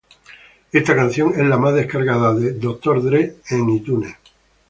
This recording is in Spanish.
Esta canción es la más descargada de Dr. Dre en iTunes.